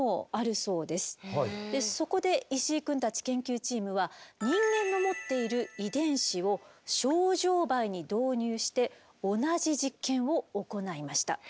そこで石井くんたち研究チームは人間の持っている遺伝子をショウジョウバエに導入して同じ実験を行いました。